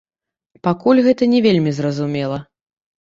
Пакуль гэта не вельмі зразумела.